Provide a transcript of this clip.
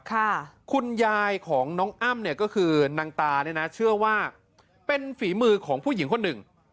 คุณยายของน้องอ้ำเนี่ยก็คือนางตาเนี่ยนะเชื่อว่าเป็นฝีมือของผู้หญิงคนหนึ่ง